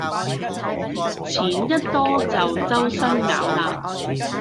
錢一多就週身咬喇